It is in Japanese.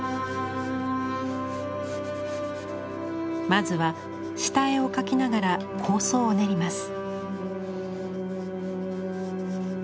まずは下絵を描きながら構想を練ります。